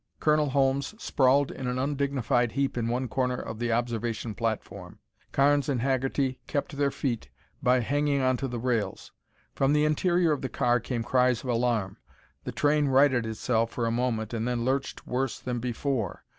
Colonel Holmes sprawled in an undignified heap in one corner of the observation platform. Carnes and Haggerty kept their feet by hanging on to the rails. From the interior of the car came cries of alarm. The train righted itself for a moment and then lurched worse than before.